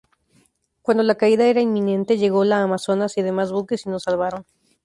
Cuando la caída era inminente ""llegó la Amazonas, y demás buques y nos salvaron.